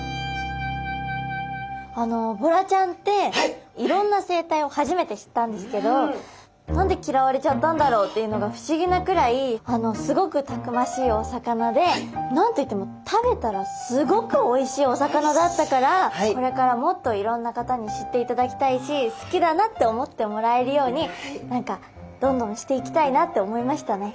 あのボラちゃんっていろんな生態を初めて知ったんですけど何で嫌われちゃったんだろうっていうのが不思議なくらいすごくたくましいお魚で何と言っても食べたらすごくおいしいお魚だったからこれからもっといろんな方に知っていただきたいし好きだなって思ってもらえるように何かどんどんしていきたいなって思いましたね。